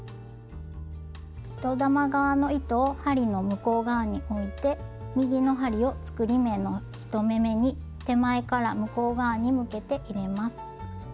糸玉側の糸を針の向こう側において右の針を作り目の１目めに手前から向こう側に向けて入れます。